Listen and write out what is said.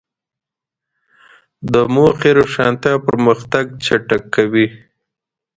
د موخې روښانتیا پرمختګ چټکوي.